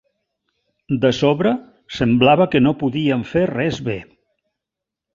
De sobre, semblava que no podien fer res bé.